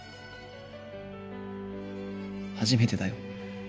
初めてだよ